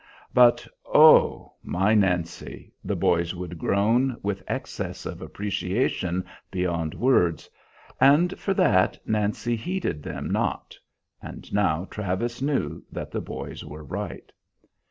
But "Oh, my Nancy!" the boys would groan, with excess of appreciation beyond words, and for that Nancy heeded them not: and now Travis knew that the boys were right.